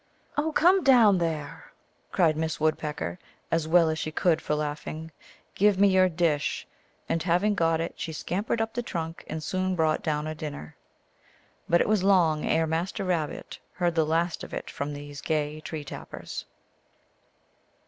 " Oh, come down there !" cried Miss Woodpecker, as well as she could for laughing. "Give me your dish !" And having got it she scampered up the trunk, and soon brought down a dinner. But it was 212 THE ALGONQUIN LEGENDS. long ere Master Rabbit heard the last of it from these gay tree tappers.